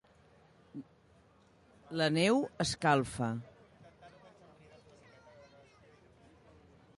La neu escalfa.